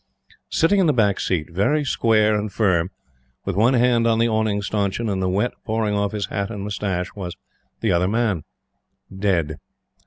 Sitting in the back seat, very square and firm, with one hand on the awning stanchion and the wet pouring off his hat and moustache, was the Other Man dead.